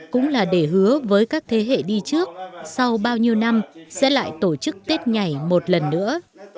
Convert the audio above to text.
cũng là để hứa với các thế hệ đi trước sau bao nhiêu năm sẽ lại tổ chức tết nhảy một lần nữa